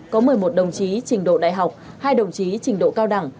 có một mươi một đồng chí trình độ đại học hai đồng chí trình độ cao đẳng